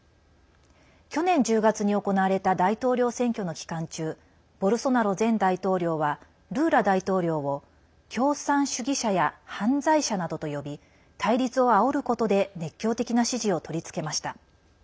去年１０月に行われた大統領選挙の期間中ボルソナロ前大統領はルーラ大統領を共産主義者や犯罪者などと呼び対立をあおることで熱狂的な支持を取り付けました。